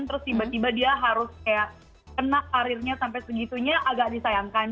terus tiba tiba dia harus kayak kena karirnya sampai segitunya agak disayangkan